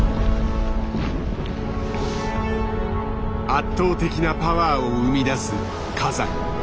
圧倒的なパワーを生み出す火山。